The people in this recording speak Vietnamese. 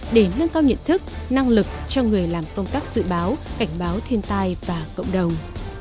để nâng cao nhận thức năng lực cho người làm công tác dự báo cảnh báo thiên tai và cộng đồng